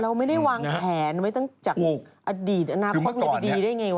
เราไม่ได้วางแผนไว้ตั้งจากอดีตอนาคตดีได้ไงวะ